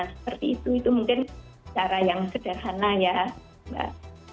seperti itu mungkin secara yang sederhana ya mbak